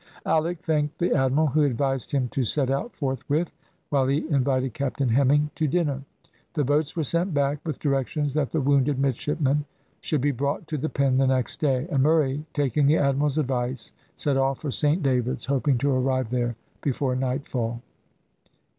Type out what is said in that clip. Alick thanked the admiral, who advised him to set out forthwith, while he invited Captain Hemming to dinner. The boats were sent back, with directions that the wounded midshipman should be brought to the Pen the next day; and Murray, taking the admiral's advice, set off for Saint David's, hoping to arrive there before nightfall.